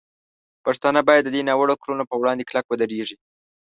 پښتانه باید د دې ناوړه کړنو په وړاندې کلک ودرېږي.